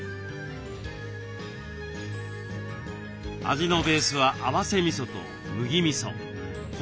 味のベースは合わせみそと麦みそコチュジャン。